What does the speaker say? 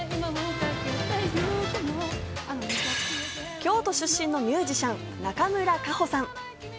京都出身のミュージシャン、中村佳穂さん。